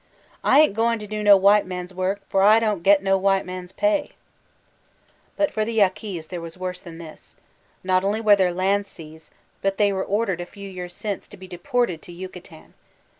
''Ah ain't goin' to do no white man's work, fo' Ah don' get no white man's pay." But for the Yaquis» there was worse than this. Not only were their lands seized, but they were ordered, a few years since, to be deported to Yucatan.